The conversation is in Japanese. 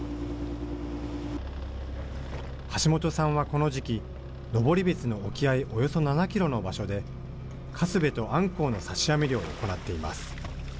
橋本さんはこの時期、登別の沖合およそ７キロの場所で、カスベとアンコウの刺し網漁を行っています。